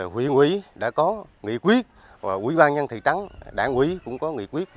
huyên quý đã có nghị quyết quý quan nhân thầy trắng đã có nghị quyết